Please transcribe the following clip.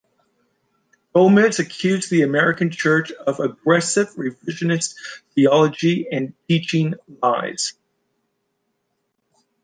Gomez accused the American church of "aggressive revisionist theology" and teaching lies.